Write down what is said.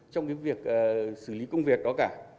trong cái việc xử lý công việc đó cả